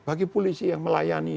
bagi polisi yang melayani